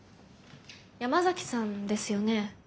山崎さんですよね？